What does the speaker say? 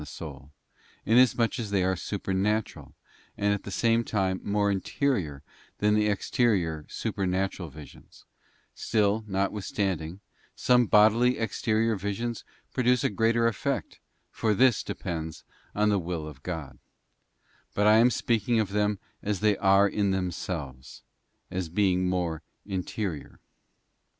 the soul, inas much as they are supernatural and at the same time more interior than the exterior supernatural visions, still, notwith standing, some bodily exterior visions produce a greater effect, for this depends on the will of God; but I am speaking of them as they are in themselves, as being more interior.